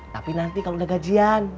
tapi nanti kalau udah gajian